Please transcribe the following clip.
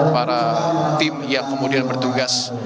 para tim yang kemudian bertugas